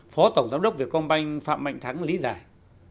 phó tổng giám đốc việt công banh phạm mạnh thắng lý giải